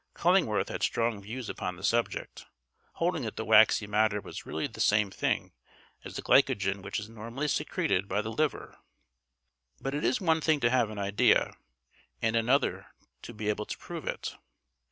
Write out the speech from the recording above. Cullingworth had strong views upon the subject, holding that the waxy matter was really the same thing as the glycogen which is normally secreted by the liver. But it is one thing to have an idea, and another to be able to prove it.